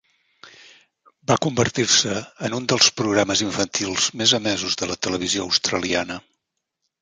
Va convertir-se en un dels programes infantils més emesos de la televisió australiana.